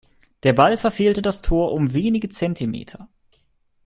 Der Ball verfehlte das Tor um wenige Zentimeter.